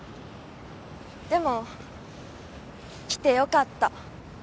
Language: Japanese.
でも来てよかった。